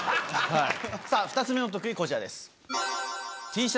さぁ２つ目の特技こちらです。